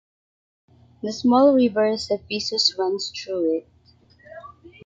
The small river Cephissus runs through it.